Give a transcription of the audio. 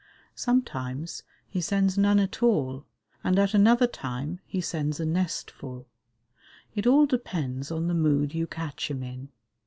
Sometimes he sends none at all, and at another time he sends a nestful; it all depends on the mood you catch him in.